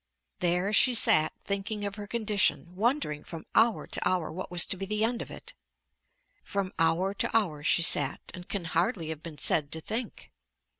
There she sat thinking of her condition, wondering from hour to hour what was to be the end of it. From hour to hour she sat, and can hardly have been said to think.